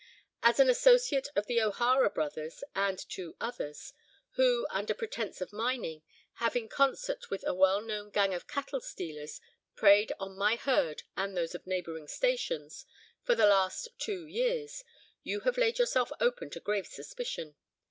"As an associate of the O'Hara brothers and two others, who, under pretence of mining, have in concert with a well known gang of cattle stealers, preyed on my herd and those of neighbouring stations, for the last two years, you have laid yourself open to grave suspicion.